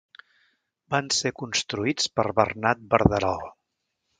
Van ser construïts per Bernat Verderol.